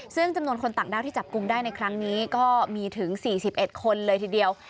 ซึ่งจำนวนคนต่างด้าวที่จับกลุ่มได้ในครั้งนี้ก็มีถึง๔๑คนเลยทีเดียว